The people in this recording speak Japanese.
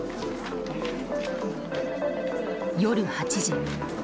夜８時。